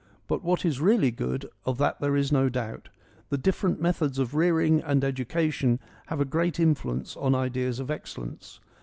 But what is really good, of that there is no doubt. The differ ent methods of rearing and education have a great influence on ideas of excellence.